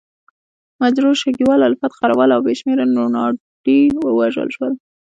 مجروح، شګیوال، الفت، غروال او بې شمېره روڼاندي ووژل شول.